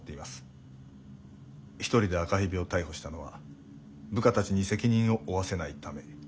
１人で赤蛇を逮捕したのは部下たちに責任を負わせないため。